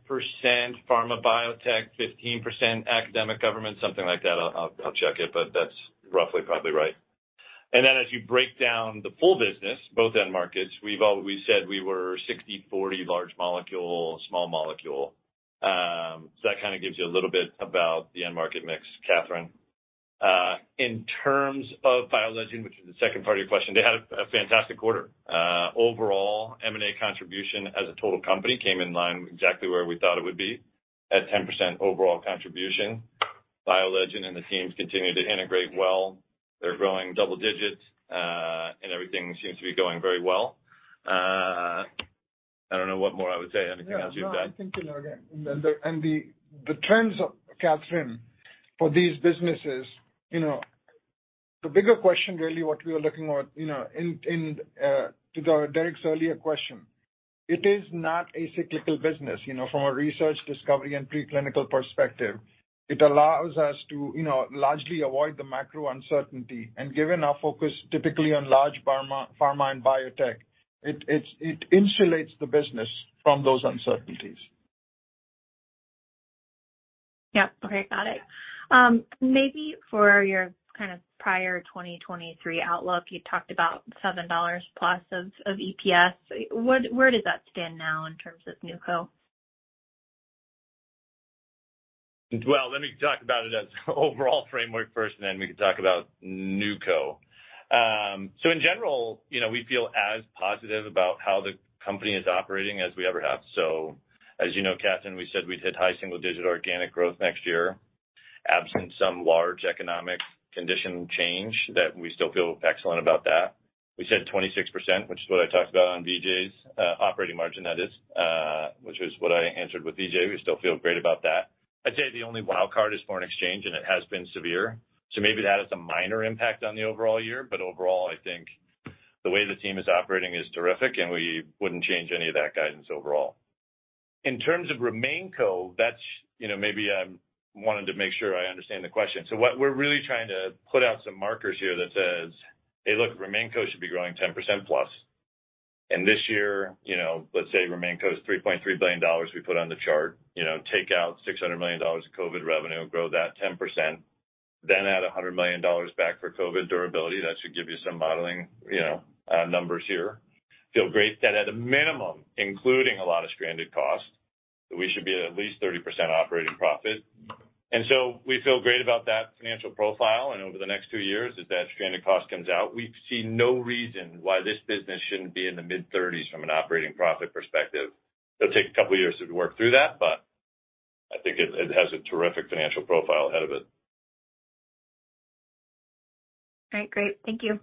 pharma biotech, 15% academic government, something like that. I'll check it, but that's roughly probably right. As you break down the full business, both end markets, we said we were 60/40 large molecule, small molecule. That kinda gives you a little bit about the end market mix, Catherine. In terms of BioLegend, which is the second part of your question, they had a fantastic quarter. Overall, M&A contribution as a total company came in line exactly where we thought it would be at 10% overall contribution. BioLegend and the teams continue to integrate well. They're growing double digits, and everything seems to be going very well. I don't know what more I would say. Anything else you'd add? Yeah. No, I think, you know, again, Catherine, for these businesses, you know, the bigger question really what we are looking at, you know, in to go Derik's earlier question, it is not a cyclical business, you know, from a research discovery and preclinical perspective. It allows us to, you know, largely avoid the macro uncertainty. Given our focus typically on large pharma and biotech, it insulates the business from those uncertainties. Yep. Okay, got it. Maybe for your kind of prior 2023 outlook, you talked about $7+ of EPS. Where does that stand now in terms of NewCo? Well, let me talk about it as overall framework first, and then we can talk about NewCo. In general, you know, we feel as positive about how the company is operating as we ever have. As you know, Catherine, we said we'd hit high single-digit organic growth next year, absent some large economic condition change that we still feel excellent about that. We said 26%, which is what I talked about on Vijay's operating margin, that is, which is what I answered with Vijay. We still feel great about that. I'd say the only wild card is foreign exchange, and it has been severe. Maybe that has a minor impact on the overall year. Overall, I think the way the team is operating is terrific, and we wouldn't change any of that guidance overall. In terms of RemainCo, that's, you know, maybe I'm wanting to make sure I understand the question. What we're really trying to put out some markers here that says, "Hey, look, RemainCo should be growing 10%+." This year, you know, let's say RemainCo is $3.3 billion we put on the chart. You know, take out $600 million of COVID revenue, grow that 10%, then add $100 million back for COVID durability. That should give you some modeling, you know, numbers here. Feel great that at a minimum, including a lot of stranded costs, that we should be at least 30% operating profit. We feel great about that financial profile. Over the next two years, as that stranded cost comes out, we see no reason why this business shouldn't be in the mid-30s from an operating profit perspective. It'll take a couple of years to work through that, but I think it has a terrific financial profile ahead of it. All right, great. Thank you.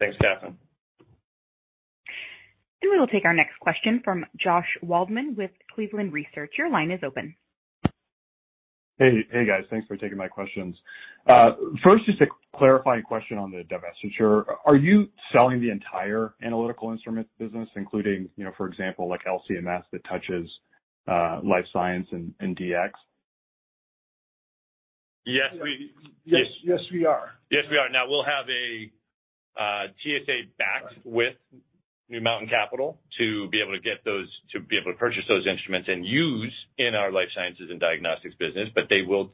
Thanks, Catherine. We will take our next question from Josh Waldman with Cleveland Research. Your line is open. Hey, guys. Thanks for taking my questions. First, just a clarifying question on the divestiture. Are you selling the entire analytical instrument business, including, you know, for example, like LC-MS that touches life science and DX? Yes. Yes, we are. Yes, we are. Now, we'll have a TSA backed with New Mountain Capital to be able to purchase those instruments and use in our Life Sciences and Diagnostics business. But they will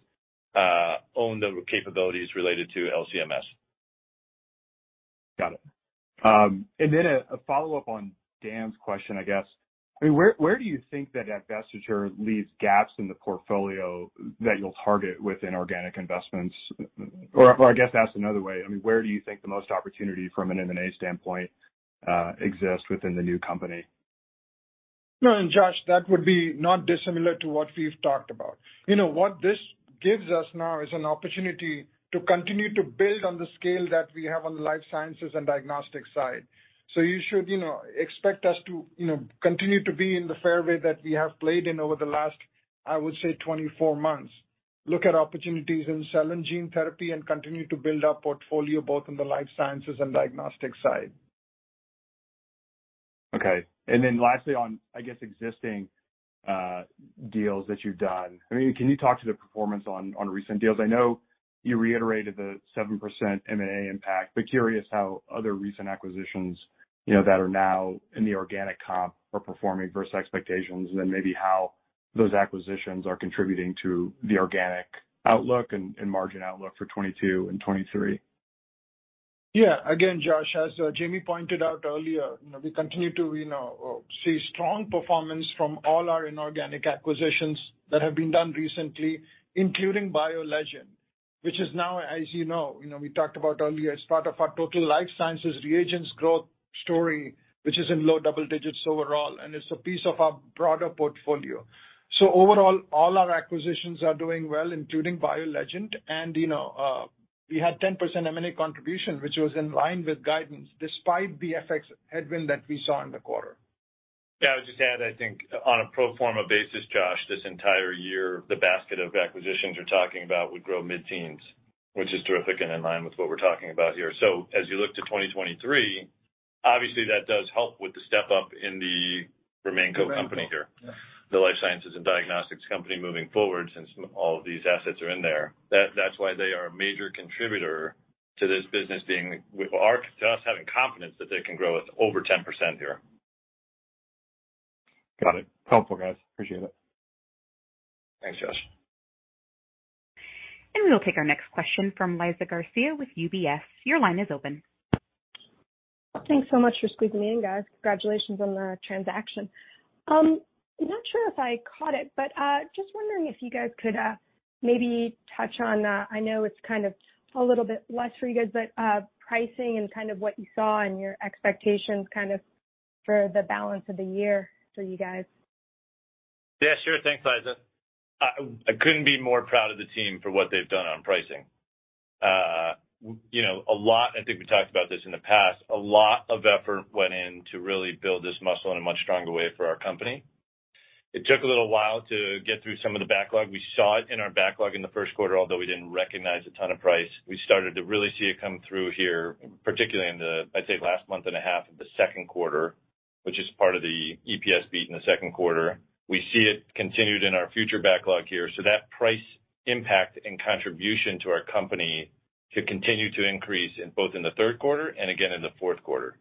own the capabilities related to LC-MS. Got it. A follow-up on Dan's question, I guess. I mean, where do you think that divestiture leaves gaps in the portfolio that you'll target within organic investments? Or I guess asked another way, I mean, where do you think the most opportunity from an M&A standpoint exists within the new company? No, Josh, that would be not dissimilar to what we've talked about. You know, what this gives us now is an opportunity to continue to build on the scale that we have on the Life Sciences and Diagnostics side. You should, you know, expect us to, you know, continue to be in the fairway that we have played in over the last, I would say, 24 months. Look at opportunities in cell and gene therapy and continue to build our portfolio both in the Life Sciences and Diagnostics side. Okay. Lastly on, I guess, existing deals that you've done. I mean, can you talk to the performance on recent deals? I know you reiterated the 7% M&A impact, but curious how other recent acquisitions, you know, that are now in the organic comp are performing versus expectations, and then maybe how those acquisitions are contributing to the organic outlook and margin outlook for 2022 and 2023. Yeah. Again, Josh, as Jamey pointed out earlier, you know, we continue to, you know, see strong performance from all our inorganic acquisitions that have been done recently, including BioLegend, which is now as you know, you know, we talked about earlier as part of our total Life Sciences reagents growth story, which is in low double digits overall, and it's a piece of our broader portfolio. Overall, all our acquisitions are doing well, including BioLegend. You know, we had 10% M&A contribution, which was in line with guidance despite the FX headwind that we saw in the quarter. Yeah. I would just add, I think on a pro forma basis, Josh, this entire year, the basket of acquisitions you're talking about would grow mid-teens, which is terrific and in line with what we're talking about here. As you look to 2023, obviously that does help with the step-up in the RemainCo company here, the Life Sciences and Diagnostics company moving forward, since all of these assets are in there. That's why they are a major contributor to this business to us having confidence that they can grow at over 10% here. Got it. Helpful, guys. Appreciate it. Thanks, Josh. We will take our next question from Elizabeth Garcia with UBS. Your line is open. Thanks so much for squeezing me in, guys. Congratulations on the transaction. I'm not sure if I caught it, but just wondering if you guys could maybe touch on, I know it's kind of a little bit less for you guys, but, pricing and kind of what you saw and your expectations kind of for the balance of the year for you guys. Yeah, sure. Thanks, Eliza. I couldn't be more proud of the team for what they've done on pricing. You know, a lot. I think we talked about this in the past. A lot of effort went in to really build this muscle in a much stronger way for our company. It took a little while to get through some of the backlog. We saw it in our backlog in the first quarter, although we didn't recognize a ton of price. We started to really see it come through here, particularly in the, I'd say, last month and a half of the second quarter, which is part of the EPS beat in the second quarter. We see it continued in our future backlog here. That price impact and contribution to our company should continue to increase in both the third quarter and again in the fourth quarter.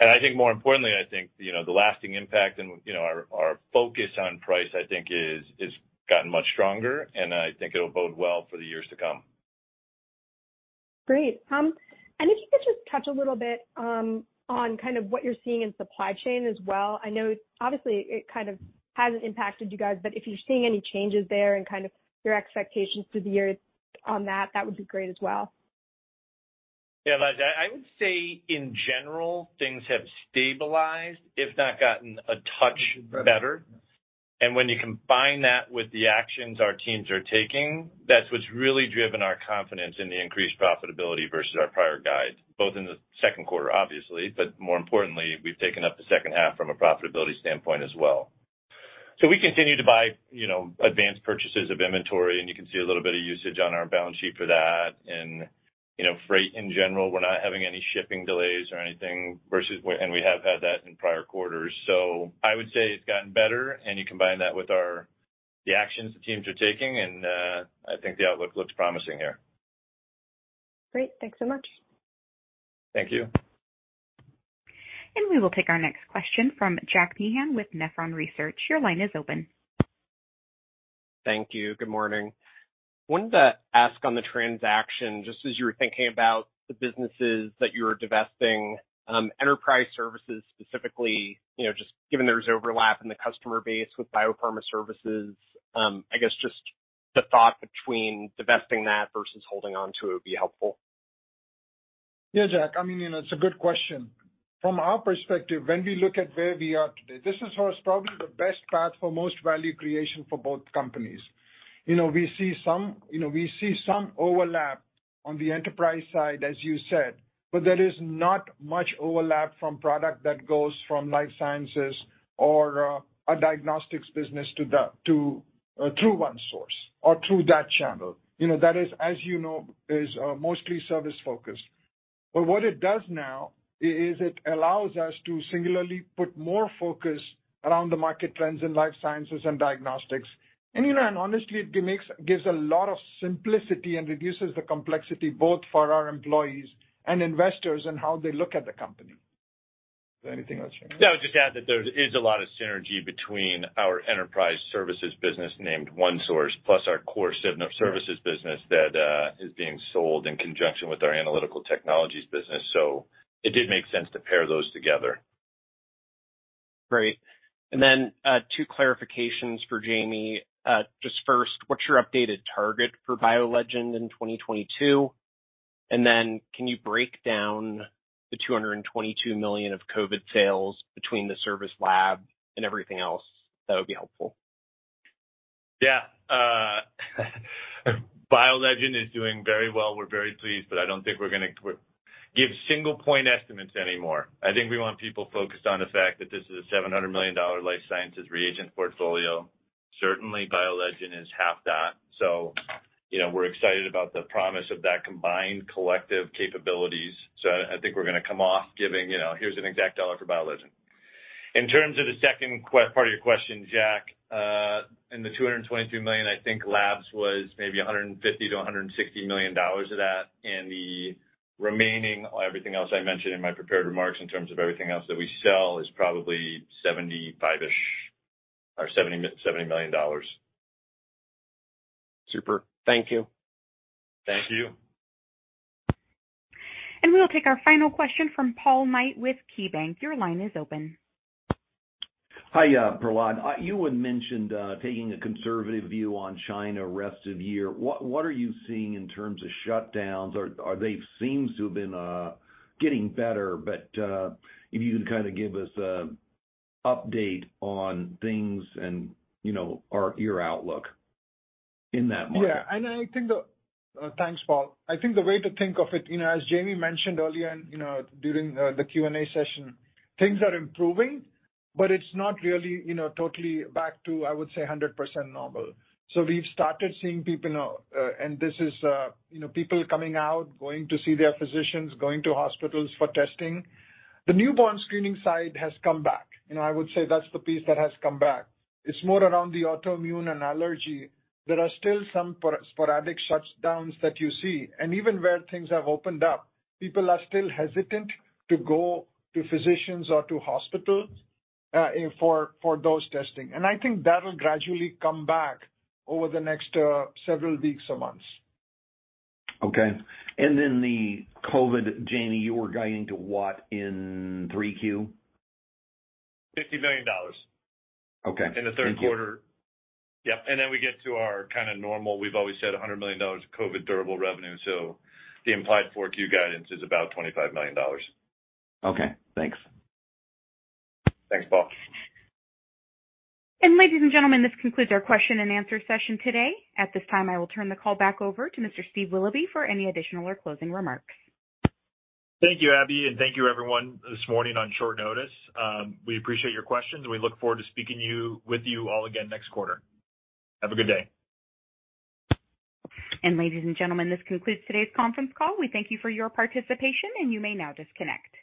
I think more importantly, I think, you know, the lasting impact and, you know, our focus on price, I think is gotten much stronger, and I think it'll bode well for the years to come. Great. If you could just touch a little bit on kind of what you're seeing in supply chain as well. I know obviously it kind of hasn't impacted you guys, but if you're seeing any changes there and kind of your expectations through the year on that would be great as well. Yeah, Eliza, I would say in general, things have stabilized, if not gotten a touch better. When you combine that with the actions our teams are taking, that's what's really driven our confidence in the increased profitability versus our prior guide, both in the second quarter, obviously, but more importantly, we've taken up the second half from a profitability standpoint as well. We continue to buy, you know, advanced purchases of inventory, and you can see a little bit of usage on our balance sheet for that. You know, freight in general, we're not having any shipping delays or anything versus. We have had that in prior quarters. I would say it's gotten better. You combine that with our the actions the teams are taking, and I think the outlook looks promising here. Great. Thanks so much. Thank you. We will take our next question from Jack Meehan with Nephron Research. Your line is open. Thank you. Good morning. Wanted to ask on the transaction, just as you were thinking about the businesses that you were divesting, enterprise services specifically, you know, just given there's overlap in the customer base with biopharma services, I guess just the thought between divesting that versus holding onto it would be helpful. Yeah, Jack. I mean, you know, it's a good question. From our perspective, when we look at where we are today, this is what's probably the best path for most value creation for both companies. You know, we see some overlap on the enterprise side, as you said, but there is not much overlap from product that goes from Life Sciences or a Diagnostics business to through OneSource or through that channel. You know, that is, as you know, mostly service-focused. But what it does now is it allows us to singularly put more focus around the market trends in Life Sciences and Diagnostics. You know, and honestly, it gives a lot of simplicity and reduces the complexity both for our employees and investors and how they look at the company. Anything else, Jamey? No, I would just add that there is a lot of synergy between our enterprise services business, named OneSource, plus our core services business that is being sold in conjunction with our analytical technologies business. It did make sense to pair those together. Great. Two clarifications for Jamey. Just first, what's your updated target for BioLegend in 2022? Can you break down the $222 million of COVID sales between the service lab and everything else? That would be helpful. Yeah. BioLegend is doing very well. We're very pleased, but I don't think we're gonna give single point estimates anymore. I think we want people focused on the fact that this is a $700 million life sciences reagent portfolio. Certainly, BioLegend is half that. You know, we're excited about the promise of that combined collective capabilities. I think we're going to come off giving, you know, here's an exact dollar for BioLegend. In terms of the second part of your question, Jack, in the $222 million, I think labs was maybe $150-$160 million of that. The remaining, everything else I mentioned in my prepared remarks in terms of everything else that we sell is probably $75 or $70 million. Super. Thank you. Thank you. We will take our final question from Paul Knight with KeyBank. Your line is open. Hi, Prahlad. You had mentioned taking a conservative view on China rest of year. What are you seeing in terms of shutdowns? They've seemed to have been getting better, but if you could kind of give us an update on things and, you know, or your outlook in that market. Thanks, Paul. I think the way to think of it, you know, as Jamey mentioned earlier and, you know, during the Q&A session, things are improving, but it's not really, you know, totally back to, I would say, 100% normal. We've started seeing people, and this is, you know, people coming out, going to see their physicians, going to hospitals for testing. The newborn screening side has come back. You know, I would say that's the piece that has come back. It's more around the autoimmune and allergy. There are still some sporadic shutdowns that you see, and even where things have opened up, people are still hesitant to go to physicians or to hospitals for those testing. I think that'll gradually come back over the next several weeks or months. Okay. The COVID, Jamey, you were guiding to what in 3Q? $50 million. Okay. In the third quarter. Thank you. Yep. We get to our kind of normal, we've always said $100 million of COVID durable revenue, so the implied 4Q guidance is about $25 million. Okay. Thanks. Thanks, Paul. Ladies and gentlemen, this concludes our question and answer session today. At this time, I will turn the call back over to Mr. Steve Willoughby for any additional or closing remarks. Thank you, Abby, and thank you everyone this morning on short notice. We appreciate your questions, and we look forward to speaking with you all again next quarter. Have a good day. Ladies and gentlemen, this concludes today's conference call. We thank you for your participation, and you may now disconnect.